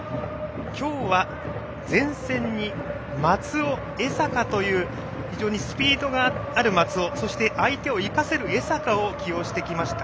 今日は、前線に松尾、江坂という非常にスピードがある、松尾そして相手を生かせる江坂を起用してきました。